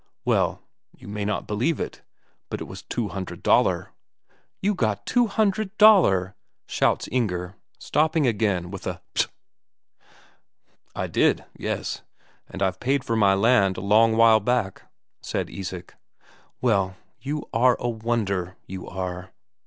Well, you might not believe it but it was two hundred Daler." "You got two hundred Daler!" shouts Inger, stopping again with a "Ptro!" "I did yes. And I've paid for my land a long while back," said Isak. "Well you are a wonder, you are!"